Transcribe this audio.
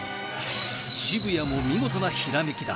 渋谷も見事なひらめきだ